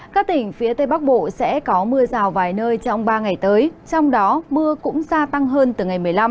các tỉnh phía tây bắc bộ sẽ có mưa rào vài nơi trong ba ngày tới trong đó mưa cũng gia tăng hơn từ ngày một mươi năm